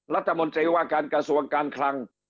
รัฐมนตรีว่าการกระทรวงการคลัง